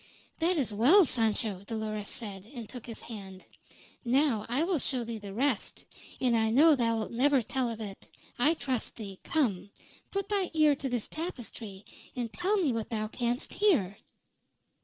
"That is well, Sancho," Dolores said, and took his hand. "Now I will show thee the rest; and I know thou'lt never tell of it. I trust thee. Come. Put thy ear to this tapestry, and tell me what thou canst hear."